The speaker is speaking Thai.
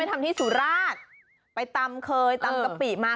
ทำที่สุราชไปตำเคยตำกะปิมา